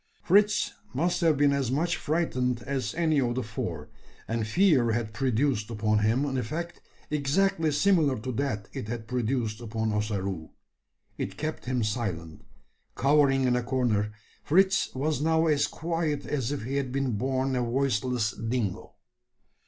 Fritz must have been as much frightened as any of the four; and fear had produced upon him an effect exactly similar to that it had produced upon Ossaroo. It kept him silent. Cowering in a corner, Fritz was now as quiet as if he had been born a voiceless dingo.